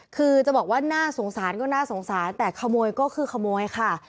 คือจะบอกว่าน่าสงสารก็น่าสงสารแต่ขโมยก็คือขโมยค่ะ